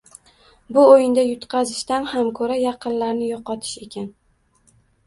Bu oʻyinda yutqazishdan ham koʻra yaqinlarni yoʻqotish ekan